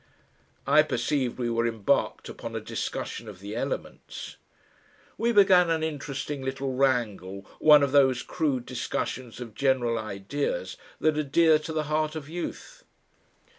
I perceived we were embarked upon a discussion of the elements. We began an interesting little wrangle one of those crude discussions of general ideas that are dear to the heart of youth.